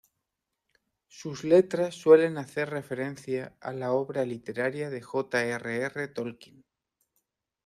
Sus letras suelen hacer referencia a la obra literaria de J. R. R. Tolkien.